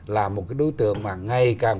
là một cái đối tượng mà ngay càng